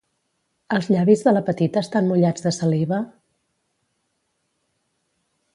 Els llavis de la petita estan mullats de saliva?